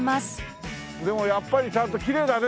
でもやっぱりちゃんときれいだね